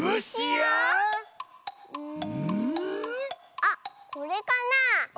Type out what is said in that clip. あっこれかなあ？